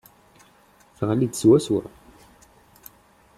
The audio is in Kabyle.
Teɣli-d swaswa.